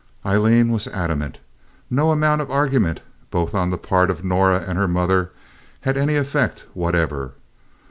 Aileen was adamant. No amount of argument both on the part of Norah and her mother had any effect whatever.